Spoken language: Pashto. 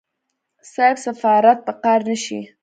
صيب سفارت په قار نشي.